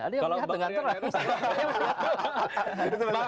ada yang melihat dengan terakhir